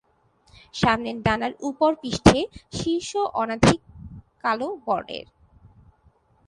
সামনের ডানার ওপর-পিঠে, শীর্ষ অনধিক কালো বর্ণের।